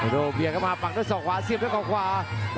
โดเบียกเข้ามาปักด้วยศอกขวา